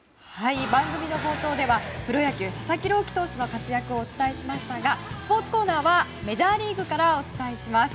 番組の冒頭ではプロ野球、佐々木朗希投手の活躍をお伝えしましたがスポーツコーナーはメジャーリーグからお伝えします。